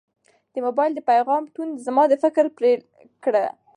د موبایل د پیغام ټون زما د فکر لړۍ پرې کړه.